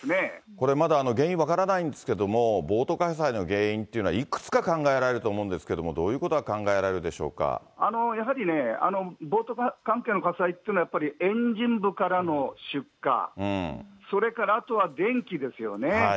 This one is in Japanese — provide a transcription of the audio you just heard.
これまだ原因分からないんですけれども、ボート火災の原因というのはいくつか考えられると思うんですけれども、どういうことやはりね、ボート関係の火災っていうのは、やっぱりエンジン部からの出火、それからあとは電気ですよね。